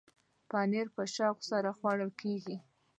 پنېر په شوق سره خوړل کېږي.